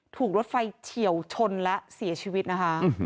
ถูกรถไฟเฉียวชนและเสียชีวิตนะคะ